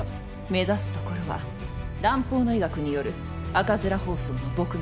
目指すところは蘭方の医学による赤面疱瘡の撲滅です。